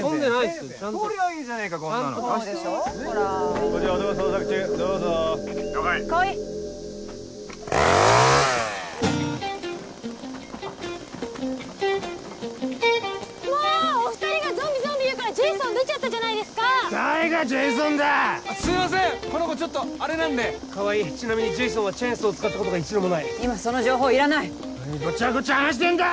何ごちゃごちゃ話してんだ！